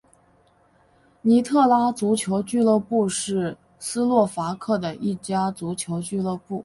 尼特拉足球俱乐部是斯洛伐克的一家足球俱乐部。